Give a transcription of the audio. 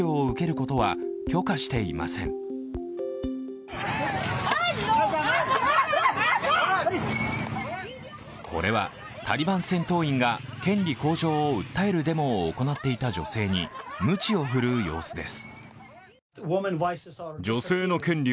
これはタリバン戦闘員が権利向上を訴えるデモを行っていた女性にむちを振るう様子です。